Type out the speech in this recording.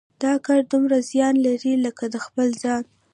دا کار دومره زیان لري لکه د خپل ځان.